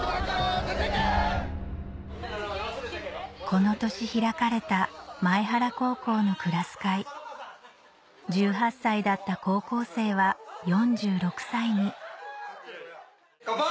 この年開かれた前原高校のクラス会１８歳だった高校生は４６歳に乾杯！